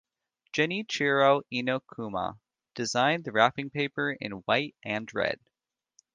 Genichiro Inokuma designed the wrapping paper in white and red.